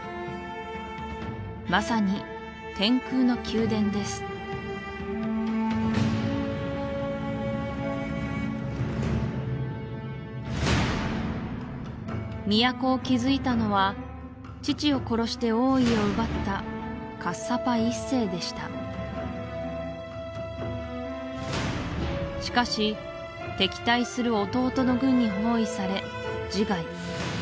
まさに天空の宮殿です都を築いたのは父を殺して王位を奪ったカッサパ１世でしたしかし敵対する弟の軍に包囲され自害